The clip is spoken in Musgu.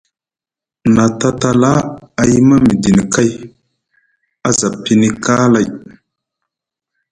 Nʼa tatala a yima midini kay, a za pini kaalay.